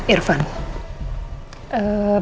eee pertama tama saya mau minta maaf dulu